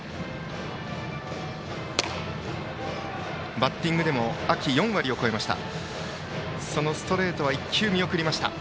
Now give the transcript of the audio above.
バッティングでも秋４割を超えました。